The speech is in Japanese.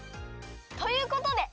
ということで